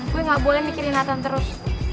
gue gak boleh mikirin nathan terus